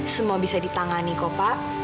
semua bisa ditangani kok pak